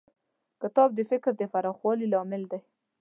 کتاب د فکر د پراخوالي لامل دی.